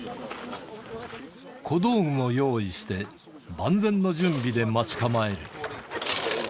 小道具を用意して、万全の準備で待ち構える。